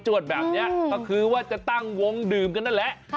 วดแบบนี้ก็คือว่าจะตั้งวงดื่มกันนั่นแหละ